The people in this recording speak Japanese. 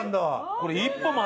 これ。